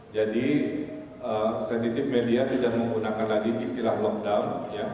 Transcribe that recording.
jadi sentitip media tidak menggunakan lagi istilah lockdown